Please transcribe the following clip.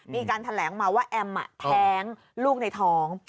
มีการแถลงมาว่าแอมแท้งลูกในท้อง